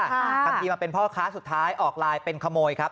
ทำทีมาเป็นพ่อค้าสุดท้ายออกไลน์เป็นขโมยครับ